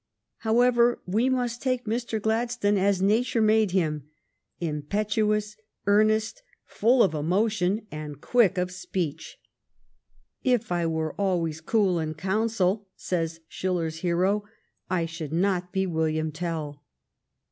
However, we must take Mr. Glad stone as Nature made him, impetuous, earnest, full of emotion, and quick of speech. " If I were always cool in council," says Schiller's hero, " I should not be William Tell."